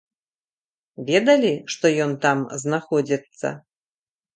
Ведалі, што ён там знаходзіцца?